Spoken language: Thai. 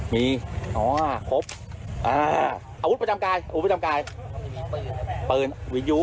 มีอ่อครบอ่าอาวุธประจำกายอาวุธประจำกาย